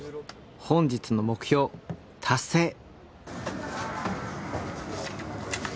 本日の目標達成！